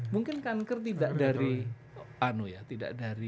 mungkin kanker tidak dari